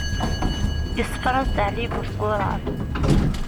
Iṣeffer-as-d Ɛli bu tquṛaṛ.